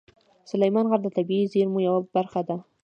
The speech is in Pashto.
سلیمان غر د طبیعي زیرمو یوه برخه ده.